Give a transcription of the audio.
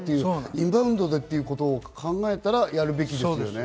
インバウンドということを考えたらやるべきですよね。